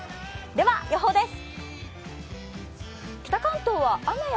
では予報です。